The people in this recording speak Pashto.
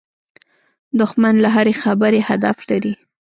دښمن له هرې خبرې هدف لري